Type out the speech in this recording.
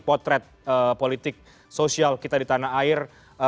potret politik sosial kita di tanah air